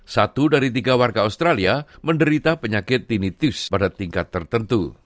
satu dari tiga warga australia menderita penyakit tinitis pada tingkat tertentu